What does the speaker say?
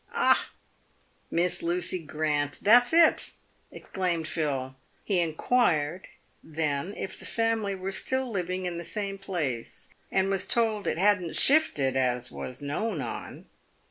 —" Ah ! Miss Lucy Grant — that's it !" ex claimed Phil. Then he inquired if the family were still living in the same place, and was told "it hadn't shifted as was known on."